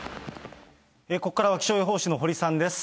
ここからは、気象予報士の堀さんです。